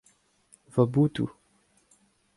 Ma botoù.